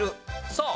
そう！